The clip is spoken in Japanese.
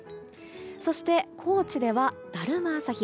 そして高知では、だるま朝日。